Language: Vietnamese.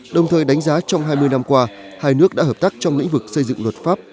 đồng thời đánh giá trong hai mươi năm qua hai nước đã hợp tác trong lĩnh vực xây dựng luật pháp